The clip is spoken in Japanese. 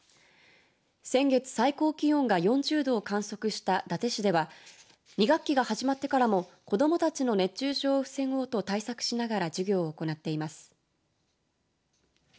先月、最高気温が４０度を観測した伊達市では２学期が始まってからも子どもたちの熱中症を防ごうと対策しながら授業を行っています。